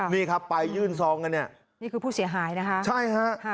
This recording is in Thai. นี่ครับไปยื่นซองกันเนี่ยนี่คือผู้เสียหายนะคะใช่ฮะค่ะ